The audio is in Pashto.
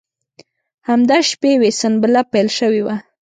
همدا شپې وې سنبله پیل شوې وه.